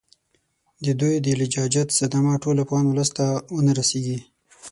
د دوی د لجاجت صدمه ټول افغان اولس ته ونه رسیږي.